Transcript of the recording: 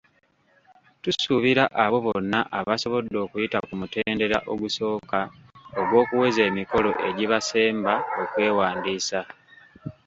Tusuubira abo bonna abasobodde okuyita ku mutendera ogusooka ogw'okuweza emikono egibasemba okwewandiisa.